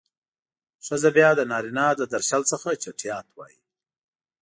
ښځه بيا د نارينه له درشل څخه چټيات وايي.